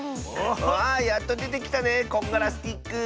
わあやっとでてきたねこんがらスティック！